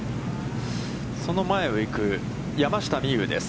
その前を行く、山下美夢有です。